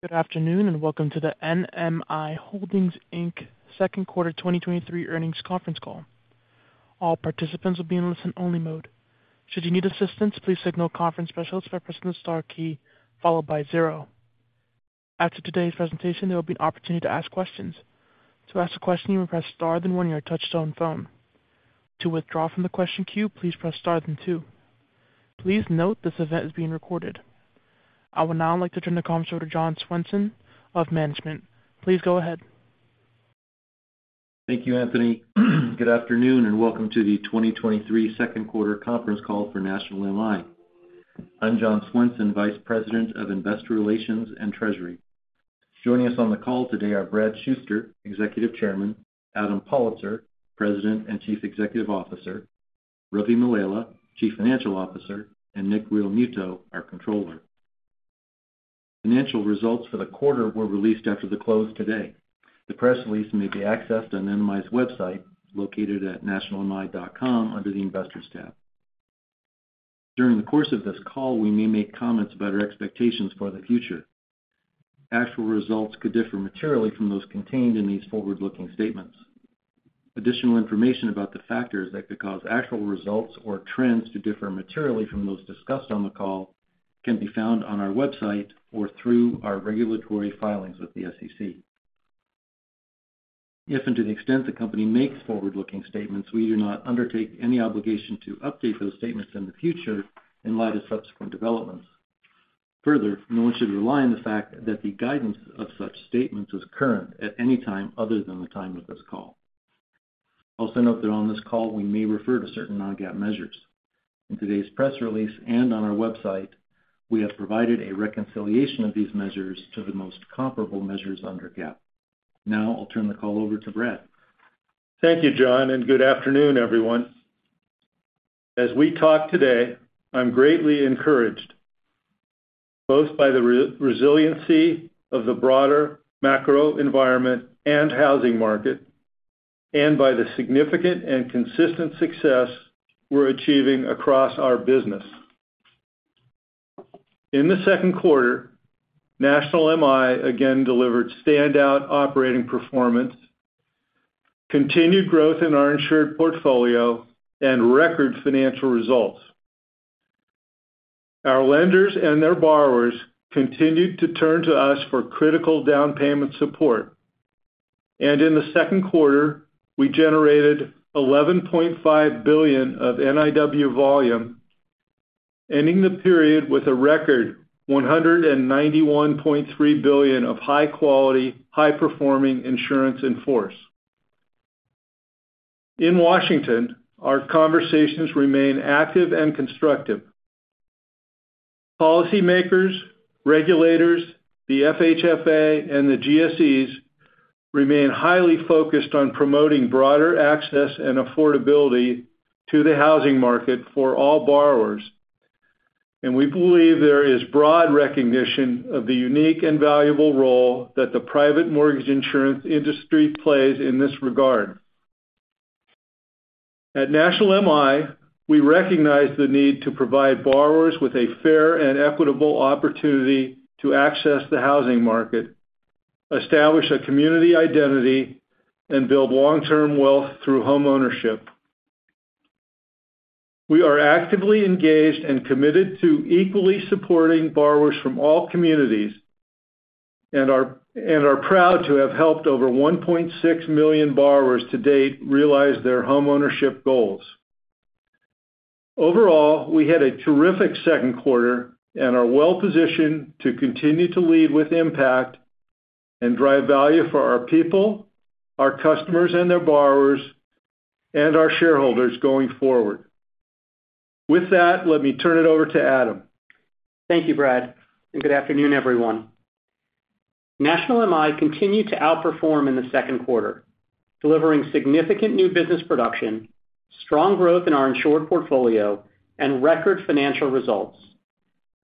Good afternoon. Welcome to the NMI Holdings, Inc. second quarter 2023 earnings conference call. All participants will be in listen-only mode. Should you need assistance, please signal conference specialists by pressing the star key followed by 0. After today's presentation, there will be an opportunity to ask questions. To ask a question, you may press star, then one on your touchtone phone. To withdraw from the question queue, please press star then two. Please note this event is being recorded. I would now like to turn the call over to John Swenson of Management. Please go ahead. Thank you, Anthony. Good afternoon, and welcome to the 2023 second quarter conference call for National MI. I'm John Swenson, Vice President of Investor Relations and Treasury. Joining us on the call today are Bradley Shuster, Executive Chairman, Adam Pollitzer, President and Chief Executive Officer, Ravi Mallela, Chief Financial Officer, and Nick Realmuto, our Controller. Financial results for the quarter were released after the close today. The press release may be accessed on NMI's website, located at nationalmi.com, under the Investors tab. During the course of this call, we may make comments about our expectations for the future. Actual results could differ materially from those contained in these forward-looking statements. Additional information about the factors that could cause actual results or trends to differ materially from those discussed on the call can be found on our website or through our regulatory filings with the SEC. If and to the extent the Company makes forward-looking statements, we do not undertake any obligation to update those statements in the future in light of subsequent developments. Further, no one should rely on the fact that the guidance of such statements is current at any time other than the time of this call. Also note that on this call, we may refer to certain non-GAAP measures. In today's press release and on our website, we have provided a reconciliation of these measures to the most comparable measures under GAAP. Now I'll turn the call over to Brad. Thank you, John, and good afternoon, everyone. As we talk today, I'm greatly encouraged both by the resiliency of the broader macro environment and housing market, and by the significant and consistent success we're achieving across our business. In the second quarter, National MI again delivered standout operating performance, continued growth in our insured portfolio, and record financial results. Our lenders and their borrowers continued to turn to us for critical down payment support, and in the second quarter, we generated $11.5 billion of NIW volume, ending the period with a record $191.3 billion of high-quality, high-performing insurance in force. In Washington, our conversations remain active and constructive. Policymakers, regulators, the FHFA, and the GSEs remain highly focused on promoting broader access and affordability to the housing market for all borrowers, and we believe there is broad recognition of the unique and valuable role that the private mortgage insurance industry plays in this regard. At National MI, we recognize the need to provide borrowers with a fair and equitable opportunity to access the housing market, establish a community identity, and build long-term wealth through homeownership. We are actively engaged and committed to equally supporting borrowers from all communities and are proud to have helped over 1.6 million borrowers to date realize their homeownership goals. Overall, we had a terrific second quarter and are well positioned to continue to lead with impact and drive value for our people, our customers and their borrowers, and our shareholders going forward. With that, let me turn it over to Adam. Thank you, Brad, and good afternoon, everyone. National MI continued to outperform in the second quarter, delivering significant new business production, strong growth in our insured portfolio, and record financial results.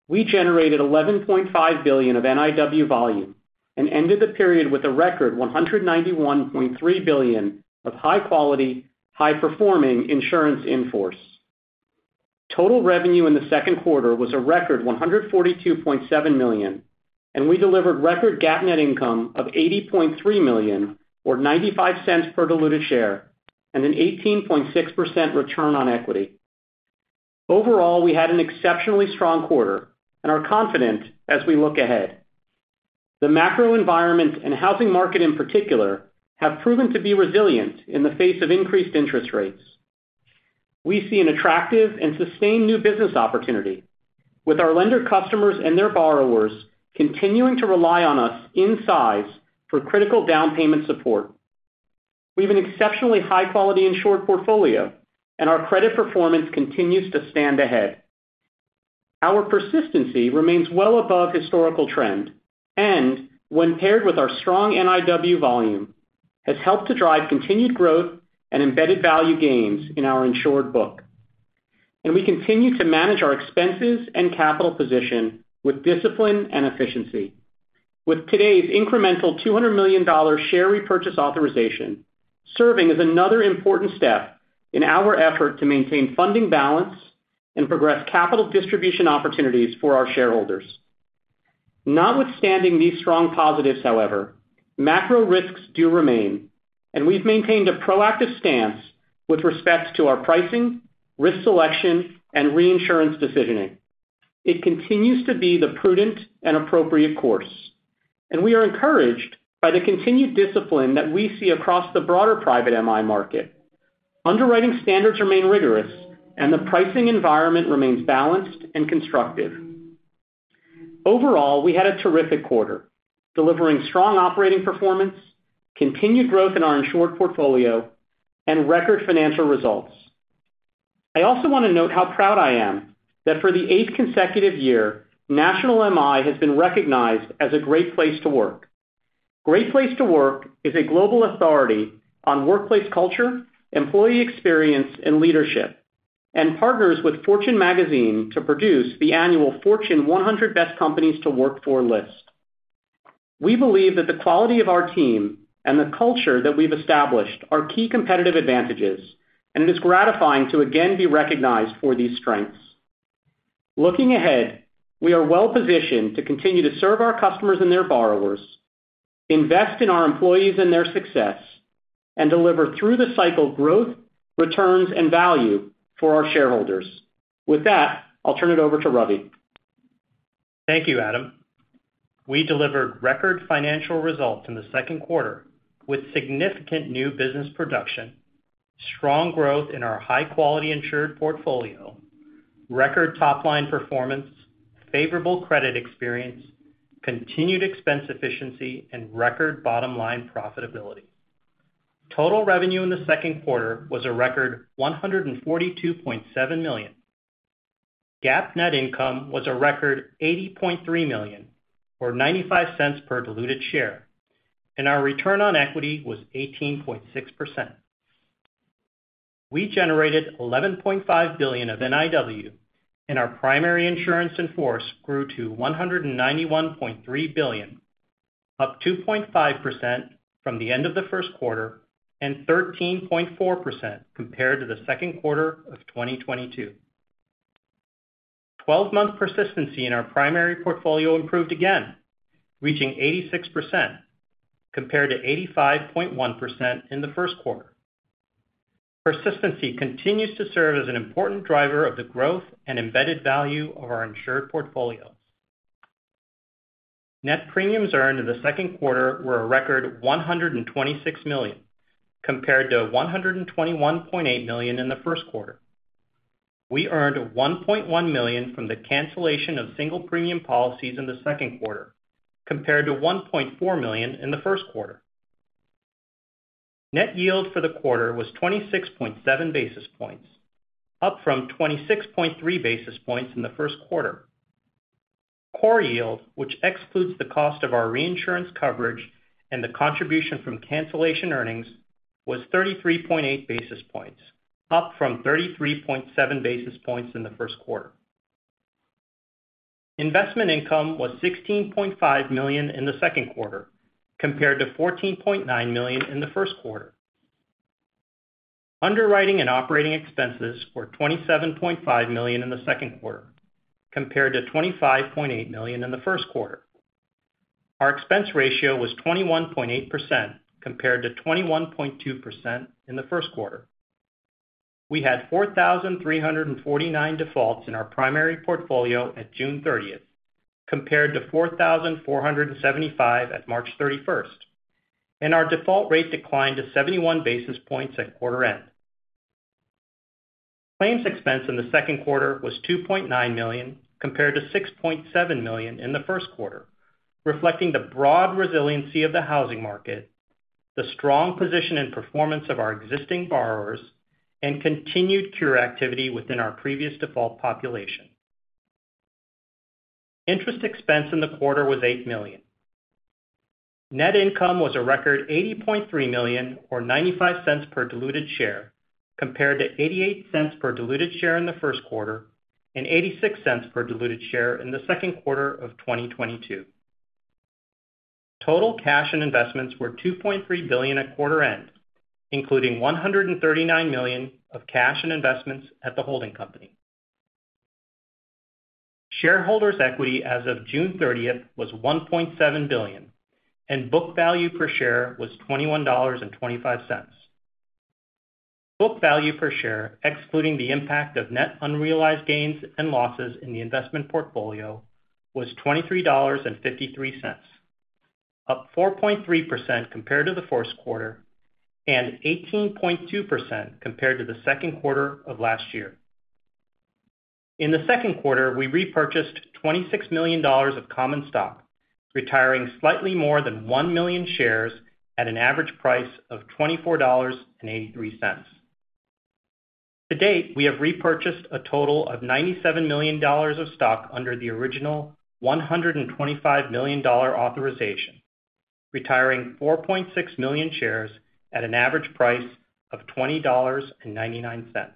We generated $11.5 billion of NIW volume and ended the period with a record $191.3 billion of high quality, high-performing insurance in force. Total revenue in the second quarter was a record $142.7 million, and we delivered record GAAP net income of $80.3 million, or $0.95 per diluted share, and an 18.6% return on equity. Overall, we had an exceptionally strong quarter and are confident as we look ahead. The macro environment and housing market in particular, have proven to be resilient in the face of increased interest rates. We see an attractive and sustained new business opportunity with our lender, customers, and their borrowers continuing to rely on us in size for critical down payment support. We have an exceptionally high-quality insured portfolio, and our credit performance continues to stand ahead. Our persistency remains well above historical trend and when paired with our strong NIW volume, has helped to drive continued growth and embedded value gains in our insured book. We continue to manage our expenses and capital position with discipline and efficiency. With today's incremental $200 million share repurchase authorization, serving as another important step in our effort to maintain funding balance and progress capital distribution opportunities for our shareholders. Notwithstanding these strong positives, however, macro risks do remain, and we've maintained a proactive stance with respects to our pricing, risk selection, and reinsurance decisioning. It continues to be the prudent and appropriate course, and we are encouraged by the continued discipline that we see across the broader private MI market. Underwriting standards remain rigorous, and the pricing environment remains balanced and constructive. Overall, we had a terrific quarter, delivering strong operating performance, continued growth in our insured portfolio, and record financial results. I also want to note how proud I am that for the eighth consecutive year, National MI has been recognized as a Great Place to Work. Great Place to Work is a global authority on workplace culture, employee experience, and leadership, and partners with Fortune Magazine to produce the annual Fortune 100 Best Companies to Work For list. We believe that the quality of our team and the culture that we've established are key competitive advantages, and it is gratifying to again be recognized for these strengths. Looking ahead, we are well-positioned to continue to serve our customers and their borrowers, invest in our employees and their success, and deliver through the cycle growth, returns, and value for our shareholders. With that, I'll turn it over to Ravi. Thank you, Adam. We delivered record financial results in the second quarter, with significant new business production, strong growth in our high-quality insured portfolio, record top-line performance, favorable credit experience, continued expense efficiency, and record bottom-line profitability. Total revenue in the second quarter was a record $142.7 million. GAAP net income was a record $80.3 million, or $0.95 per diluted share. Our return on equity was 18.6%. We generated $11.5 billion of NIW. Our primary insurance in force grew to $191.3 billion, up 2.5% from the end of the first quarter and 13.4% compared to the second quarter of 2022. Twelve-month persistency in our primary portfolio improved again, reaching 86%, compared to 85.1% in the first quarter. Persistency continues to serve as an important driver of the growth and embedded value of our insured portfolio. Net premiums earned in the second quarter were a record $126 million, compared to $121.8 million in the first quarter. We earned $1.1 million from the cancellation of single premium policies in the second quarter, compared to $1.4 million in the first quarter. Net yield for the quarter was 26.7 basis points, up from 26.3 basis points in the first quarter. Core yield, which excludes the cost of our reinsurance coverage and the contribution from cancellation earnings, was 33.8 basis points, up from 33.7 basis points in the first quarter. Investment income was $16.5 million in the second quarter, compared to $14.9 million in the first quarter. Underwriting and operating expenses were $27.5 million in the second quarter, compared to $25.8 million in the first quarter. Our expense ratio was 21.8%, compared to 21.2% in the first quarter. We had 4,349 defaults in our primary portfolio at June 30th, compared to 4,475 at March 31st, and our default rate declined to 71 basis points at quarter end. Claims expense in the second quarter was $2.9 million, compared to $6.7 million in the first quarter, reflecting the broad resiliency of the housing market, the strong position and performance of our existing borrowers, and continued cure activity within our previous default population. Interest expense in the quarter was $8 million. Net income was a record $80.3 million, or $0.95 per diluted share, compared to $0.88 per diluted share in the first quarter and $0.86 per diluted share in the second quarter of 2022. Total cash and investments were $2.3 billion at quarter end, including $139 million of cash and investments at the holding company. Shareholders' equity as of June 30th was $1.7 billion, and book value per share was $21.25. Book value per share, excluding the impact of net unrealized gains and losses in the investment portfolio, was $23.53, up 4.3% compared to the first quarter and 18.2% compared to the second quarter of last year. In the second quarter, we repurchased $26 million of common stock, retiring slightly more than 1 million shares at an average price of $24.83. To date, we have repurchased a total of $97 million of stock under the original $125 million authorization, retiring 4.6 million shares at an average price of $20.99.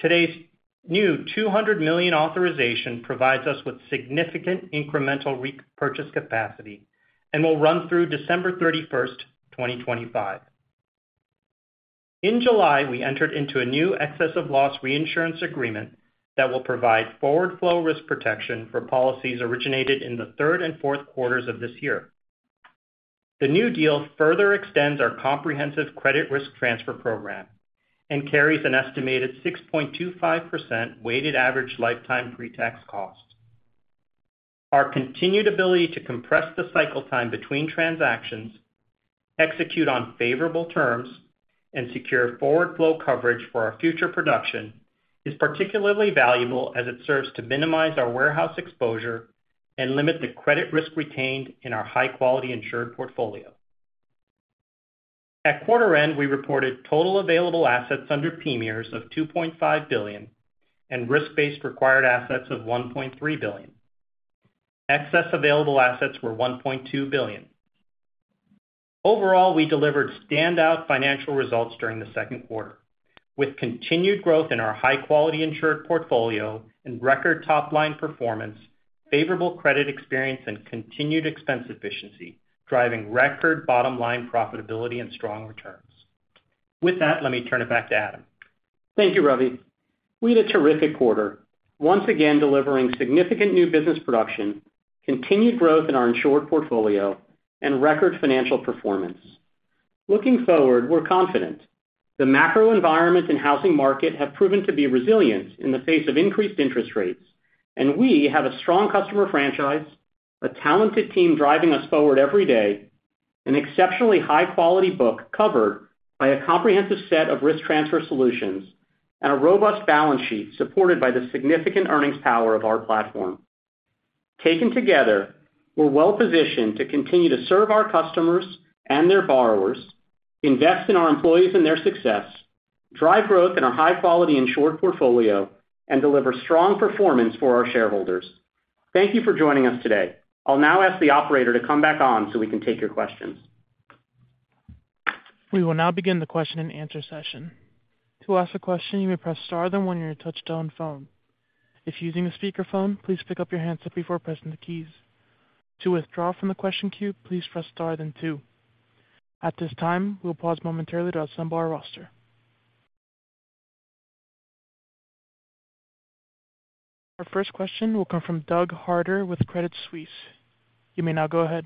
Today's new $200 million authorization provides us with significant incremental repurchase capacity and will run through December 31st, 2025. In July, we entered into a new excess of loss reinsurance agreement that will provide forward flow risk protection for policies originated in the third and fourth quarters of this year. The new deal further extends our comprehensive credit risk transfer program and carries an estimated 6.25% weighted average lifetime pretax cost. Our continued ability to compress the cycle time between transactions, execute on favorable terms, and secure forward flow coverage for our future production is particularly valuable as it serves to minimize our warehouse exposure and limit the credit risk retained in our high-quality insured portfolio. At quarter end, we reported total available assets under PMIERs of $2.5 billion and risk-based required assets of $1.3 billion. Excess available assets were $1.2 billion. Overall, we delivered standout financial results during the second quarter, with continued growth in our high-quality insured portfolio and record top-line performance, favorable credit experience, and continued expense efficiency, driving record bottom line profitability and strong returns. With that, let me turn it back to Adam. Thank you, Ravi. We had a terrific quarter, once again, delivering significant new business production, continued growth in our insured portfolio, and record financial performance. Looking forward, we're confident. The macro environment and housing market have proven to be resilient in the face of increased interest rates. We have a strong customer franchise, a talented team driving us forward every day, an exceptionally high-quality book covered by a comprehensive set of risk transfer solutions, and a robust balance sheet supported by the significant earnings power of our platform. Taken together, we're well-positioned to continue to serve our customers and their borrowers, invest in our employees and their success, drive growth in our high-quality insured portfolio, and deliver strong performance for our shareholders. Thank you for joining us today. I'll now ask the operator to come back on so we can take your questions. We will now begin the question-and-answer session. To ask a question, you may press star, then one on your touchtone phone. If using a speakerphone, please pick up your handset before pressing the keys. To withdraw from the question queue, please press star, then two. At this time, we'll pause momentarily to assemble our roster. Our first question will come from Doug Harter with Credit Suisse. You may now go ahead.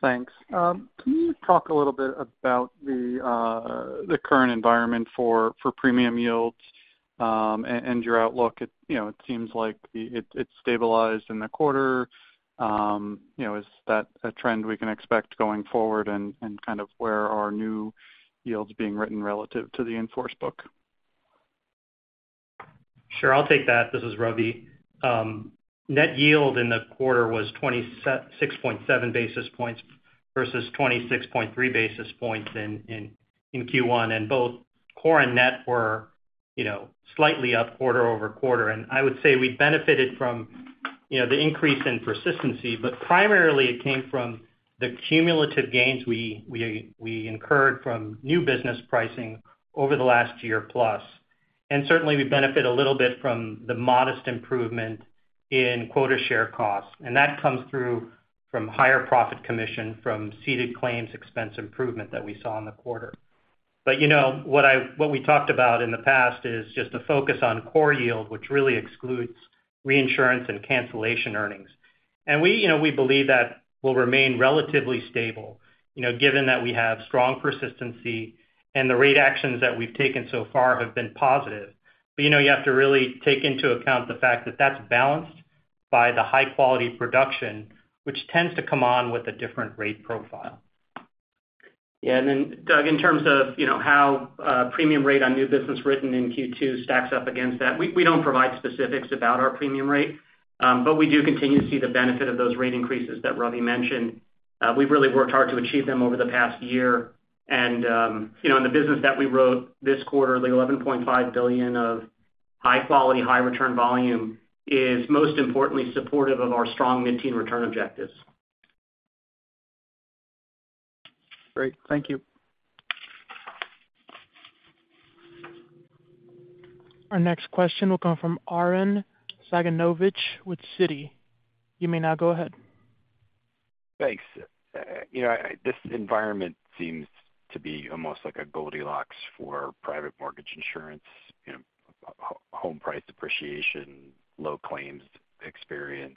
Thanks. Can you talk a little bit about the current environment for premium yields and your outlook? You know, it seems like it's stabilized in the quarter. You know, is that a trend we can expect going forward, and kind of where are new yields being written relative to the in-force book? Sure. I'll take that. This is Ravi. Net yield in the quarter was 26.7 basis points versus 26.3 basis points in Q1. Both core and net were, you know, slightly up quarter-over-quarter. I would say we benefited from, you know, the increase in persistency, but primarily it came from the cumulative gains we incurred from new business pricing over the last year plus. Certainly, we benefit a little bit from the modest improvement in quota share costs, and that comes through from higher profit commission, from ceded claims expense improvement that we saw in the quarter. You know, what we talked about in the past is just the focus on core yield, which really excludes reinsurance and cancellation earnings. We, you know, we believe that will remain relatively stable, you know, given that we have strong persistency and the rate actions that we've taken so far have been positive. But, you know, you have to really take into account the fact that that's balanced by the high-quality production, which tends to come on with a different rate profile. Yeah, then, Doug, in terms of, you know, how premium rate on new business written in Q2 stacks up against that, we, we don't provide specifics about our premium rate, but we do continue to see the benefit of those rate increases that Ravi mentioned. We've really worked hard to achieve them over the past year. You know, in the business that we wrote this quarter, the $11.5 billion of high quality, high return volume is most importantly supportive of our strong mid-teen return objectives. Great. Thank you. Our next question will come from Arun Sundaram with Citi. You may now go ahead. Thanks. you know, this environment seems to be almost like a Goldilocks for private mortgage insurance, you know, home price appreciation, low claims experience,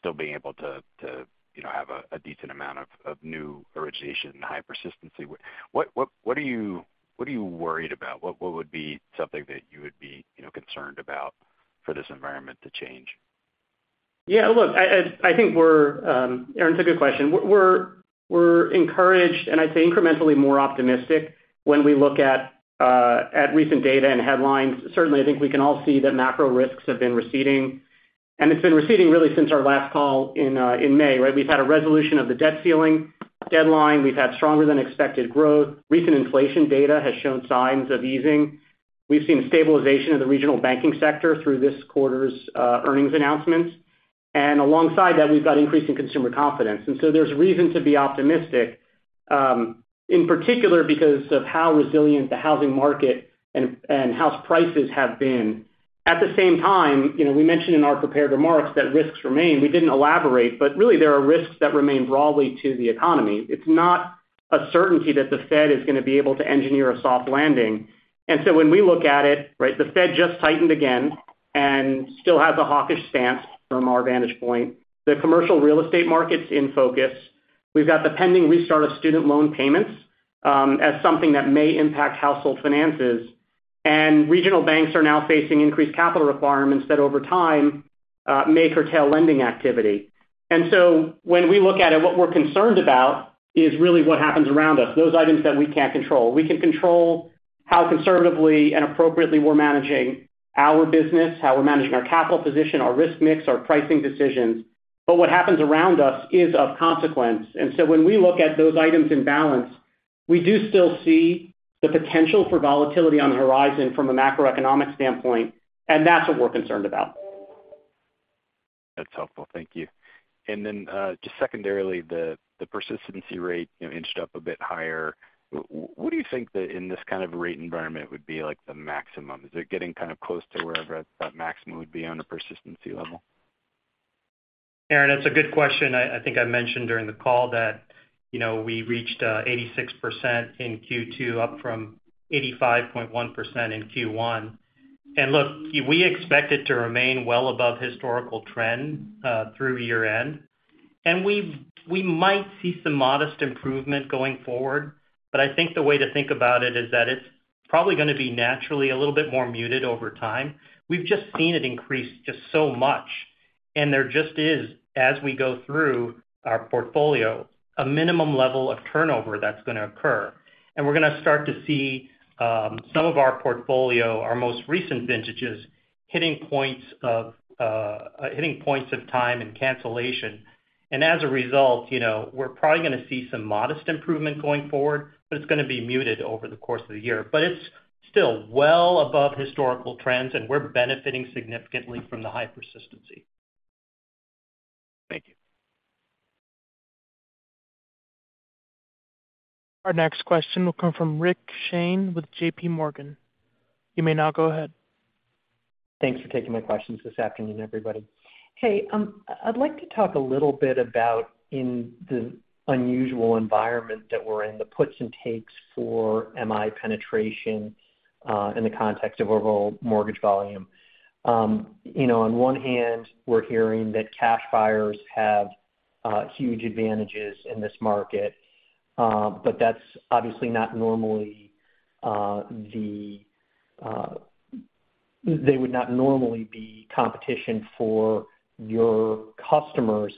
still being able to, you know, have a decent amount of new origination and high persistency. What are you worried about? What would be something that you would be, you know, concerned about for this environment to change? Yeah, look, I, I, I think we're Arun, it's a good question. We're, we're encouraged, and I'd say incrementally more optimistic when we look at recent data and headlines. Certainly, I think we can all see that macro risks have been receding, and it's been receding really since our last call in May, right? We've had a resolution of the debt ceiling deadline. We've had stronger than expected growth. Recent inflation data has shown signs of easing. We've seen stabilization of the regional banking sector through this quarter's earnings announcements. So there's reason to be optimistic, in particular, because of how resilient the housing market and, and house prices have been. At the same time, you know, we mentioned in our prepared remarks that risks remain. We didn't elaborate, but really, there are risks that remain broadly to the economy. It's not a certainty that the Fed is going to be able to engineer a soft landing. When we look at it, right, the Fed just tightened again and still has a hawkish stance from our vantage point. The commercial real estate market's in focus. We've got the pending restart of student loan payments, as something that may impact household finances. Regional banks are now facing increased capital requirements that over time, may curtail lending activity. When we look at it, what we're concerned about is really what happens around us, those items that we can't control. We can control how conservatively and appropriately we're managing our business, how we're managing our capital position, our risk mix, our pricing decisions, but what happens around us is of consequence. When we look at those items in balance, we do still see the potential for volatility on the horizon from a macroeconomic standpoint, and that's what we're concerned about. That's helpful. Thank you. Then, just secondarily, the, the persistency rate, you know, inched up a bit higher. What do you think that in this kind of rate environment would be like the maximum? Is it getting kind of close to wherever that maximum would be on a persistency level? Arun, that's a good question. I, I think I mentioned during the call that, you know, we reached 86% in Q2, up from 85.1% in Q1. Look, we expect it to remain well above historical trend through year-end. We might see some modest improvement going forward, but I think the way to think about it is that it's probably going to be naturally a little bit more muted over time. We've just seen it increase just so much, and there just is, as we go through our portfolio, a minimum level of turnover that's going to occur. We're going to start to see some of our portfolio, our most recent vintages, hitting points of hitting points of time and cancellation. As a result, you know, we're probably going to see some modest improvement going forward, but it's going to be muted over the course of the year. It's still well above historical trends, and we're benefiting significantly from the high persistency. Thank you. Our next question will come from Rick Shane with JP Morgan. You may now go ahead. Thanks for taking my questions this afternoon, everybody. Hey, I'd like to talk a little bit about in the unusual environment that we're in, the puts and takes for MI penetration in the context of overall mortgage volume. You know, on one hand, we're hearing that cash buyers have huge advantages in this market, but that's obviously not normally they would not normally be competition for your customers.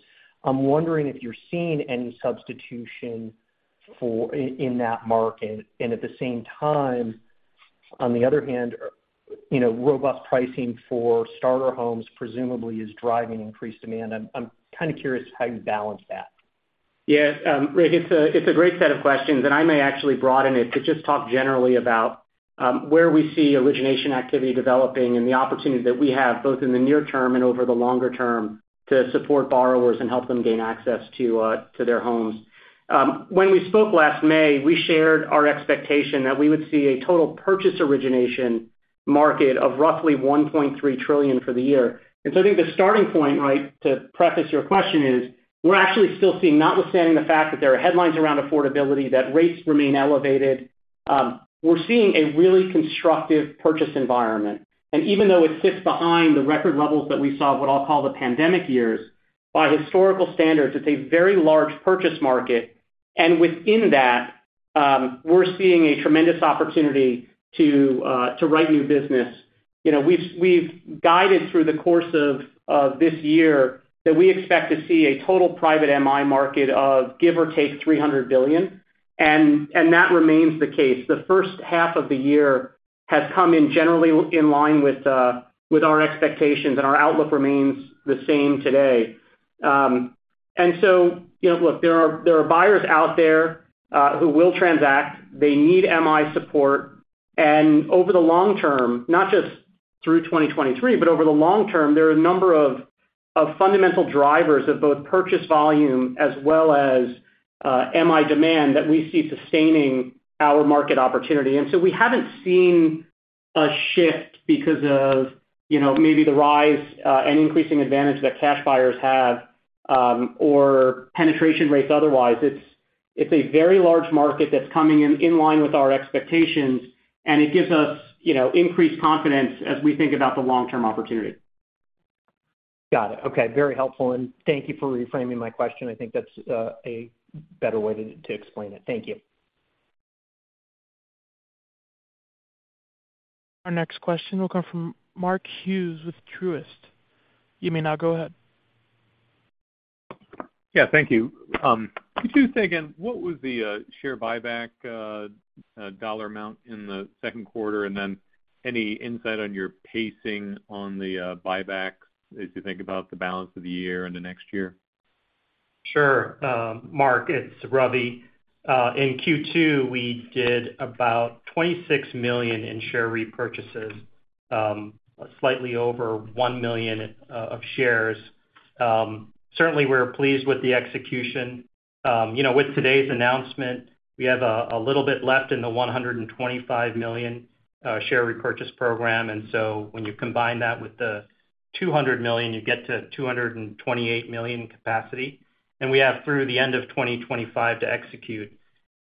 I'm wondering if you're seeing any substitution for, in, in that market. At the same time, on the other hand, you know, robust pricing for starter homes presumably is driving increased demand. I'm, I'm kind of curious how you balance that? Yeah, Rick, it's a, it's a great set of questions, and I may actually broaden it to just talk generally about where we see origination activity developing and the opportunity that we have, both in the near term and over the longer term, to support borrowers and help them gain access to their homes. When we spoke last May, we shared our expectation that we would see a total purchase origination market of roughly $1.3 trillion for the year. I think the starting point, right, to preface your question is, we're actually still seeing, notwithstanding the fact that there are headlines around affordability, that rates remain elevated, we're seeing a really constructive purchase environment. Even though it sits behind the record levels that we saw, what I'll call the pandemic years, by historical standards, it's a very large purchase market. Within that, we're seeing a tremendous opportunity to write new business. You know, we've, we've guided through the course of this year that we expect to see a total private MI market of, give or take, $300 billion, and that remains the case. The first half of the year has come in generally in line with our expectations, and our outlook remains the same today. You know, look, there are, there are buyers out there who will transact. They need MI support. Over the long term, not just through 2023, but over the long term, there are a number of, of fundamental drivers of both purchase volume as well as MI demand, that we see sustaining our market opportunity. We haven't seen a shift because of, you know, maybe the rise and increasing advantage that cash buyers have, or penetration rates otherwise. It's, it's a very large market that's coming in, in line with our expectations, and it gives us, you know, increased confidence as we think about the long-term opportunity. Got it. Okay, very helpful. Thank you for reframing my question. I think that's a better way to, to explain it. Thank you. Our next question will come from Mark Hughes with Truist. You may now go ahead. Yeah, thank you. Could you say again, what was the share buyback dollar amount in the 2Q? Any insight on your pacing on the buybacks as you think about the balance of the year and the next year? Sure, Mark, it's Ravi. In Q2, we did about $26 million in share repurchases, slightly over 1 million of shares. Certainly, we're pleased with the execution. You know, with today's announcement, we have a little bit left in the $125 million share repurchase program. So when you combine that with the $200 million, you get to $228 million in capacity, and we have through the end of 2025 to execute.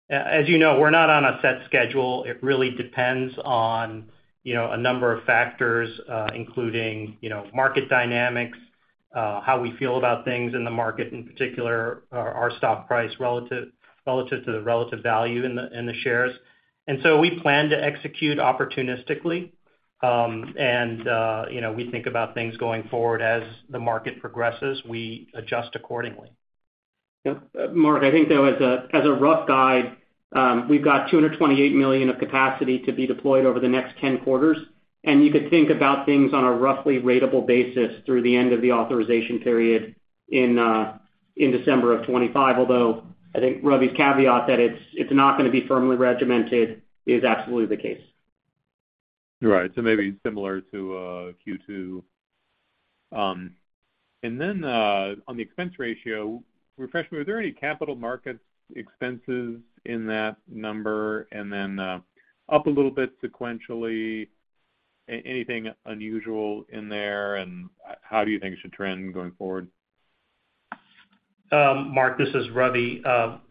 As you know, we're not on a set schedule. It really depends on, you know, a number of factors, including, you know, market dynamics, how we feel about things in the market, in particular, our stock price relative, relative to the relative value in the shares. So we plan to execute opportunistically. You know, we think about things going forward. As the market progresses, we adjust accordingly. Yep, Mark, I think, though, as a, as a rough guide, we've got $228 million of capacity to be deployed over the next 10 quarters, and you could think about things on a roughly ratable basis through the end of the authorization period in December of 2025. Although, I think Ravi's caveat that it's, it's not gonna be firmly regimented, is absolutely the case. Right. Maybe similar to Q2. Then on the expense ratio, refresh me, were there any capital markets expenses in that number? Then up a little bit sequentially, anything unusual in there, and how do you think it should trend going forward? Mark, this is Ravi.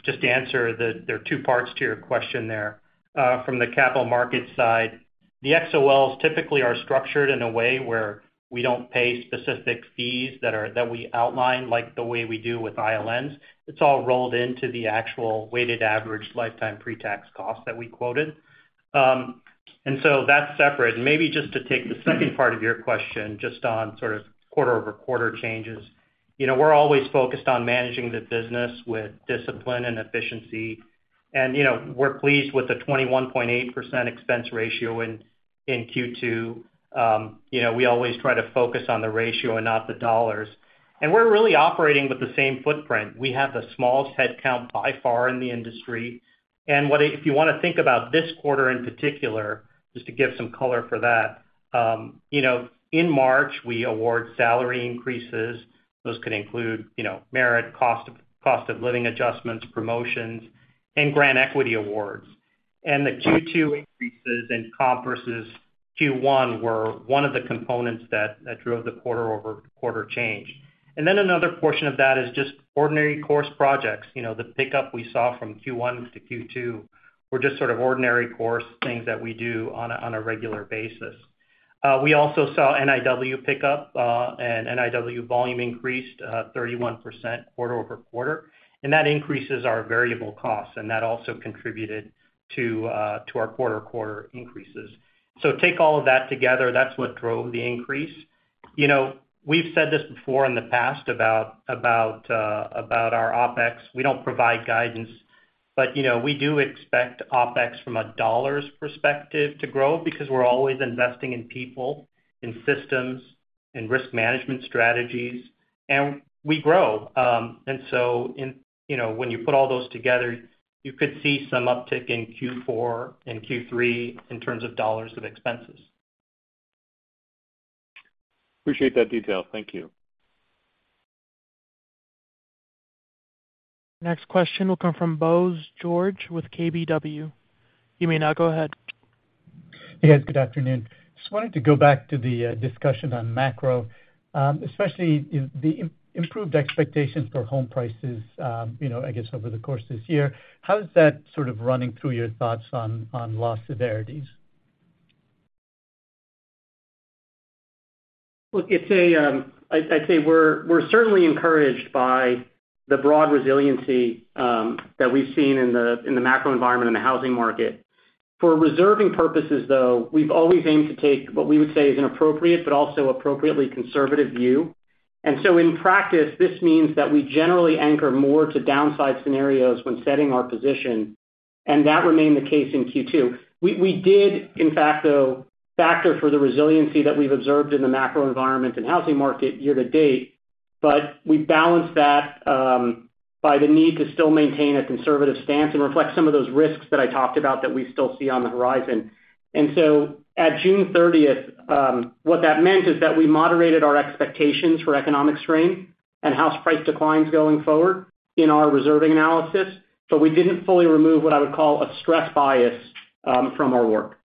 Just to answer the two parts to your question there. From the capital market side, the XOLs typically are structured in a way where we don't pay specific fees that we outline, like the way we do with ILNs. It's all rolled into the actual weighted average lifetime pre-tax cost that we quoted. So that's separate. Maybe just to take the second part of your question, just on sort of quarter-over-quarter changes. You know, we're always focused on managing the business with discipline and efficiency. You know, we're pleased with the 21.8% expense ratio in, in Q2. You know, we always try to focus on the ratio and not the dollars. We're really operating with the same footprint. We have the smallest headcount by far in the industry. What I if you wanna think about this quarter in particular, just to give some color for that, you know, in March, we award salary increases. Those could include, you know, merit, cost of, cost of living adjustments, promotions, and grant equity awards. The Q2 increases and compresses Q1 were one of the components that, that drove the quarter-over-quarter change. Another portion of that is just ordinary course projects. You know, the pickup we saw from Q1 to Q2 were just sort of ordinary course things that we do on a regular basis. We also saw NIW pick up, and NIW volume increased 31% quarter-over-quarter, and that increases our variable costs, and that also contributed to our quarter-over-quarter increases. Take all of that together, that's what drove the increase. You know, we've said this before in the past about, about, about our OpEx. We don't provide guidance, but, you know, we do expect OpEx from a dollars perspective to grow because we're always investing in people, in systems, in risk management strategies, and we grow. You know, when you put all those together, you could see some uptick in Q4 and Q3 in terms of dollars of expenses. Appreciate that detail. Thank you. Next question will come from Bose George with KBW. You may now go ahead. Hey, guys. Good afternoon. Just wanted to go back to the discussion on macro, especially in the improved expectations for home prices, you know, I guess over the course of this year. How is that sort of running through your thoughts on, on loss severities? Look, it's a, I'd, I'd say we're, we're certainly encouraged by the broad resiliency that we've seen in the macro environment, in the housing market. For reserving purposes, though, we've always aimed to take what we would say is an appropriate but also appropriately conservative view. In practice, this means that we generally anchor more to downside scenarios when setting our position, and that remained the case in Q2. We, we did, in fact, though, factor for the resiliency that we've observed in the macro environment and housing market year to date, but we balanced that by the need to still maintain a conservative stance and reflect some of those risks that I talked about that we still see on the horizon. At June 30th, what that meant is that we moderated our expectations for economic strain and house price declines going forward in our reserving analysis, but we didn't fully remove what I would call a stress bias from our work.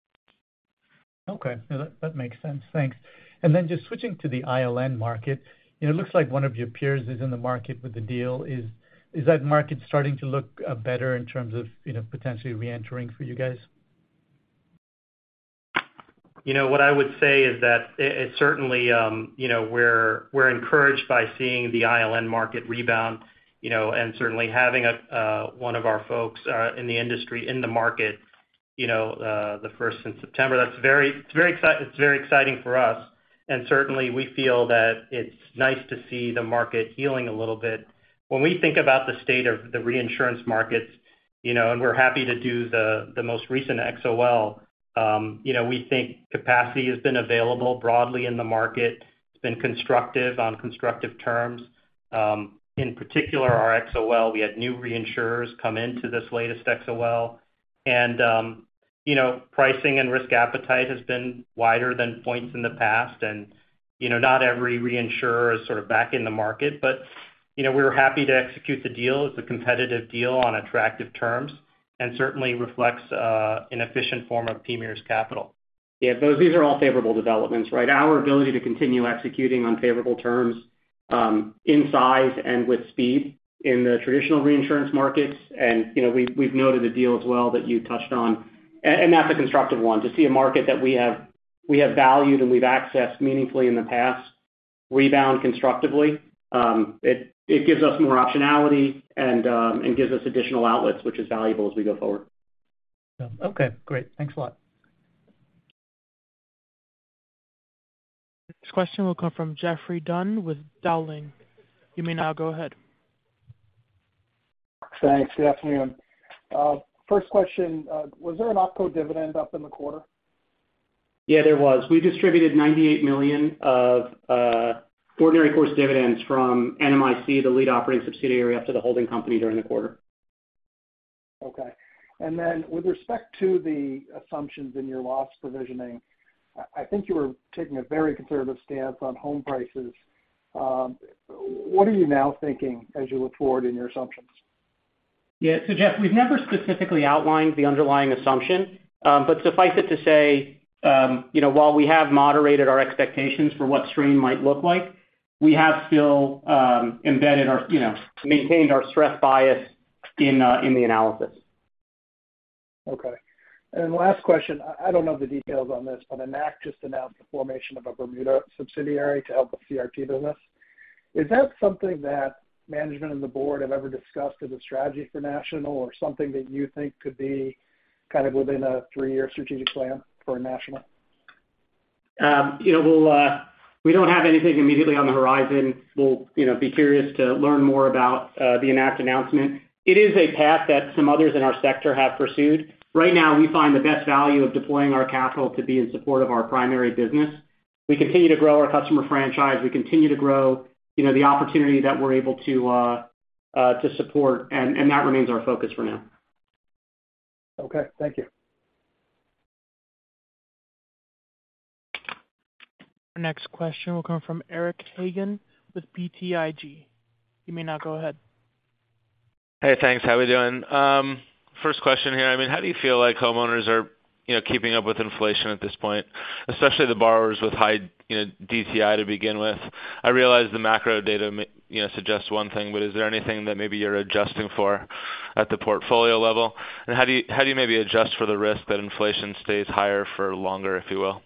Okay. Yeah, that, that makes sense. Thanks. Then just switching to the ILN market, it looks like one of your peers is in the market with a deal. Is that market starting to look better in terms of, you know, potentially reentering for you guys? You know, what I would say is that it certainly, you know, we're encouraged by seeing the ILN market rebound, you know, and certainly having one of our folks in the industry, in the market, you know, the first since September, that's very. It's very exciting for us, and certainly, we feel that it's nice to see the market healing a little bit. When we think about the state of the reinsurance markets, you know, and we're happy to do the most recent XOL, you know, we think capacity has been available broadly in the market.... It's been constructive on constructive terms. In particular, our XOL, we had new reinsurers come into this latest XOL. You know, pricing and risk appetite has been wider than points in the past, and, you know, not every reinsurer is sort of back in the market. You know, we were happy to execute the deal. It's a competitive deal on attractive terms, and certainly reflects an efficient form of premier capital. These are all favorable developments, right? Our ability to continue executing on favorable terms, in size and with speed in the traditional reinsurance markets. You know, we've, we've noted a deal as well that you touched on, and that's a constructive one. To see a market that we have, we have valued and we've accessed meaningfully in the past, rebound constructively, it, it gives us more optionality and gives us additional outlets, which is valuable as we go forward. Yeah. Okay, great. Thanks a lot. This question will come from Geoffrey Dunn with Dowling & Partners. You may now go ahead. Thanks. Good afternoon. First question, was there an OpCo dividend up in the quarter? Yeah, there was. We distributed $98 million of ordinary course dividends from NMIH, the lead operating subsidiary, up to the holding company during the quarter. Okay. Then, with respect to the assumptions in your loss provisioning, I think you were taking a very conservative stance on home prices. What are you now thinking as you look forward in your assumptions? Yeah. Jeff, we've never specifically outlined the underlying assumption, but suffice it to say, you know, while we have moderated our expectations for what strain might look like, we have still, embedded our, you know, maintained our stress bias in, in the analysis. Okay. Last question, I, I don't know the details on this, Enact just announced the formation of a Bermuda subsidiary to help the CRT business. Is that something that management and the board have ever discussed as a strategy for National, or something that you think could be kind of within a three-year strategic plan for National? You know, we'll, we don't have anything immediately on the horizon. We'll, you know, be curious to learn more about the Enact announcement. It is a path that some others in our sector have pursued. Right now, we find the best value of deploying our capital to be in support of our primary business. We continue to grow our customer franchise. We continue to grow, you know, the opportunity that we're able to to support, and, and that remains our focus for now. Okay, thank you. Our next question will come from Eric Hagen with BTIG. You may now go ahead. Hey, thanks. How we doing? First question here. I mean, how do you feel like homeowners are, you know, keeping up with inflation at this point, especially the borrowers with high, you know, DTI to begin with? I realize the macro data may, you know, suggest one thing, but is there anything that maybe you're adjusting for at the portfolio level? How do you, how do you maybe adjust for the risk that inflation stays higher for longer, if you will?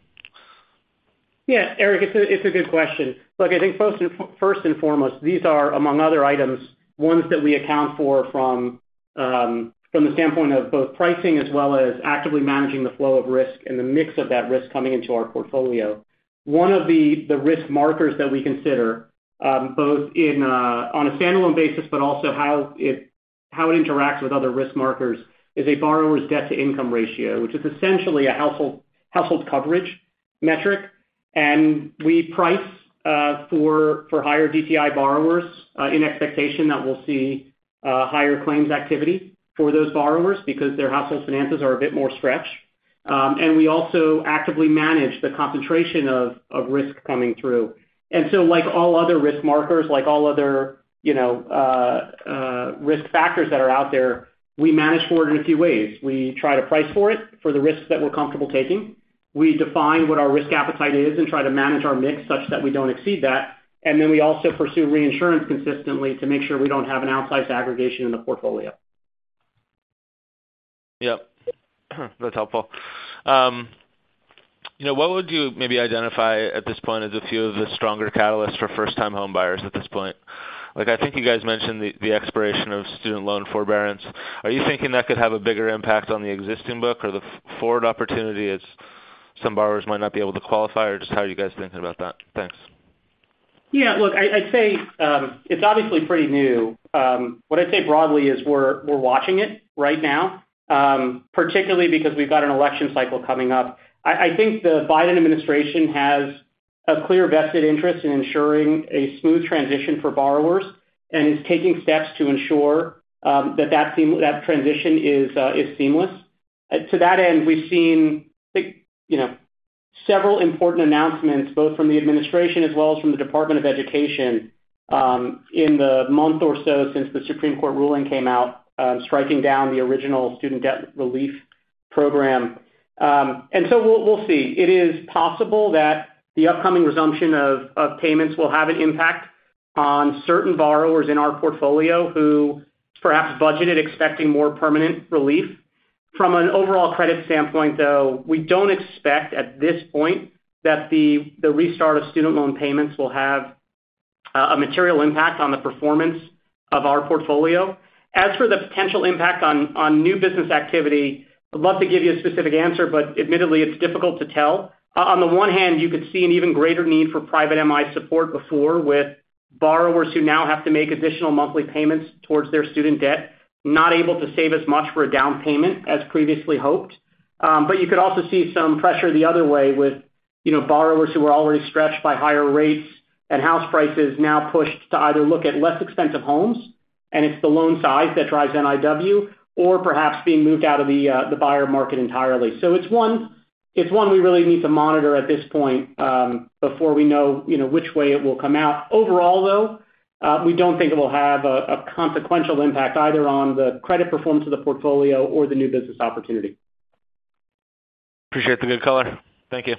Yeah, Eric, it's a good question. Look, I think first and first and foremost, these are, among other items, ones that we account for from the standpoint of both pricing, as well as actively managing the flow of risk and the mix of that risk coming into our portfolio. One of the, the risk markers that we consider, both in on a standalone basis, but also how it, how it interacts with other risk markers, is a borrower's debt-to-income ratio, which is essentially a household, household coverage metric. We price for, for higher DTI borrowers in expectation that we'll see higher claims activity for those borrowers, because their household finances are a bit more stretched. We also actively manage the concentration of, of risk coming through. So, like all other risk markers, like all other, you know, risk factors that are out there, we manage for it in a few ways. We try to price for it, for the risks that we're comfortable taking. We define what our risk appetite is and try to manage our mix such that we don't exceed that. Then we also pursue reinsurance consistently to make sure we don't have an outsized aggregation in the portfolio. Yep. That's helpful. You know, what would you maybe identify at this point as a few of the stronger catalysts for first-time home buyers at this point? Like, I think you guys mentioned the expiration of student loan forbearance. Are you thinking that could have a bigger impact on the existing book or the forward opportunity, as some borrowers might not be able to qualify? Just how are you guys thinking about that? Thanks. Yeah, look, I'd say, it's obviously pretty new. What I'd say broadly is we're watching it right now, particularly because we've got an election cycle coming up. I think the Biden administration has a clear vested interest in ensuring a smooth transition for borrowers and is taking steps to ensure that that transition is seamless. To that end, we've seen, you know, several important announcements, both from the administration as well as from the Department of Education, in the month or so since the Supreme Court ruling came out, striking down the original student debt relief program. So we'll see. It is possible that the upcoming resumption of payments will have an impact on certain borrowers in our portfolio who perhaps budgeted expecting more permanent relief. From an overall credit standpoint, though, we don't expect, at this point, that the restart of student loan payments will have a material impact on the performance of our portfolio. As for the potential impact on new business activity, I'd love to give you a specific answer, but admittedly, it's difficult to tell. On the one hand, you could see an even greater need for private MI support before, with borrowers who now have to make additional monthly payments towards their student debt, not able to save as much for a down payment as previously hoped. You could also see some pressure the other way with, you know, borrowers who are already stretched by higher rates and house prices now pushed to either look at less expensive homes, and it's the loan size that drives NIW, or perhaps being moved out of the buyer market entirely. It's one, it's one we really need to monitor at this point, before we know, you know, which way it will come out. Overall, though, we don't think it will have a consequential impact either on the credit performance of the portfolio or the new business opportunity. Appreciate the good color. Thank you.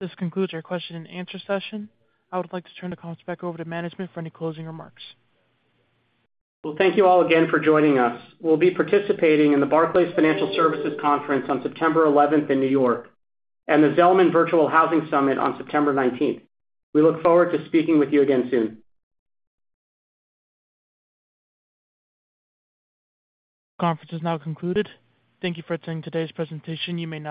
This concludes our question and answer session. I would like to turn the conference back over to management for any closing remarks. Well, thank you all again for joining us. We'll be participating in the Barclays Financial Services Conference on September 11th in New York, and the Zelman Virtual Housing Summit on September 19th. We look forward to speaking with you again soon. Conference is now concluded. Thank you for attending today's presentation, you may now-